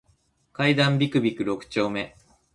階段ビクビク六丁目